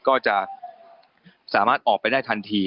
ก็จะสามารถออกไปได้ทันที